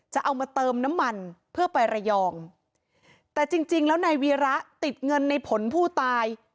จะเอามาเติมน้ำมันเพื่อไประยองแต่จริงจริงแล้วนายวีระติดเงินในผลผู้ตาย